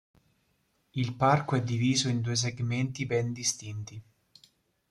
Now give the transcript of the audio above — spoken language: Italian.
Il parco è diviso in due segmenti ben distinti.